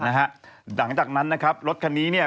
หลังจากนั้นรถคันนี้